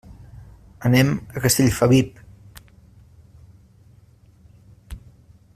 Anem a Castellfabib.